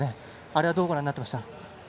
あれはどうご覧になっていました。